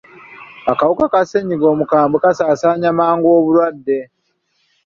Akawuka ka ssenyiga omukambwe kasaasaanya mangu obulwadde.